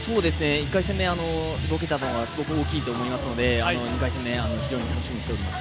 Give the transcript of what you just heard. １回戦目動けた分はすごく大きいと思いますので２回戦目、非常に楽しみにしております。